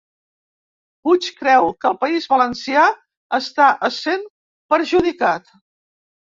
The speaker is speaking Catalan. Puig creu que el País Valencià està essent perjudicat